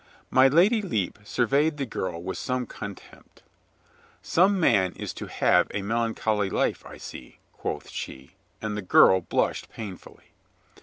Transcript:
My Lady Lepe surveyed the girl with some con tempt. "Some man is to have a melancholy life, I see," quoth she, and the girl blushed painfully.